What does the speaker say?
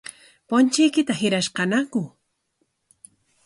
¿Punchuykita hirashqañaku?